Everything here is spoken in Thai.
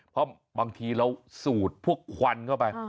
เพราะบางทีเราสูดพวกควันเข้าไป